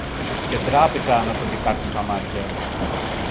Και ντράπηκα να τον κοιτάξω στα μάτια